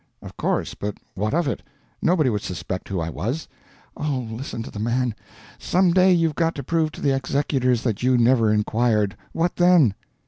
"Of course, but what of it? Nobody would suspect who I was." "Oh, listen to the man! Some day you've got to prove to the executors that you never inquired. What then?"